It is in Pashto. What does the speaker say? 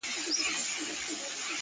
ستا په سترگو کي دي يو عالم خبرې